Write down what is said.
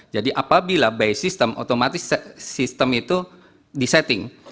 jadi apabila by system otomatis sistem itu disetting